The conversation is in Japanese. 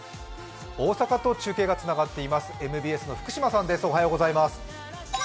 大阪と中継がつながっています、ＭＢＳの福島さんです。